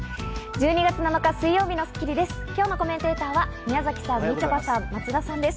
１２月７日、水曜日の『スッキリ』です。